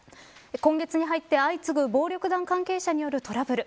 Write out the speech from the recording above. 今月に入って相次ぐ暴力団関係者によるトラブル。